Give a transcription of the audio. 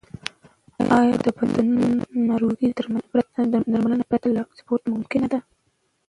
آیا د بندونو ناروغي درملنه پرته له سپورت ممکنه ده؟